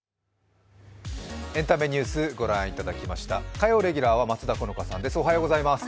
火曜レギュラーは松田好花さんです。